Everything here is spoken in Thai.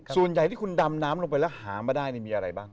ส่วนใหญ่ที่คุณดำน้ำลงไปแล้วหามาได้มีอะไรบ้าง